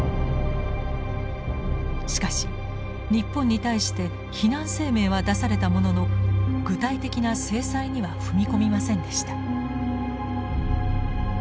しかし日本に対して非難声明は出されたものの具体的な制裁には踏み込みませんでした。